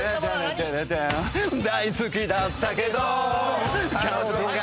「大好きだったけど彼女が」